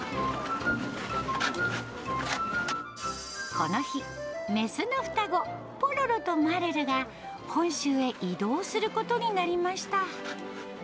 この日、雌の双子、ポロロとマルルが、本州へ移動することになりました。